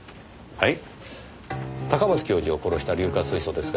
はい。